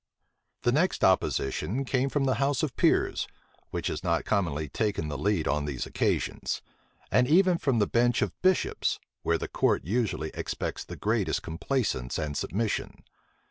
The next opposition came from the house of peers, which has not commonly taken the lead on these occasions; and even from the bench of bishops, where the court usually expects the greatest complaisance and submission.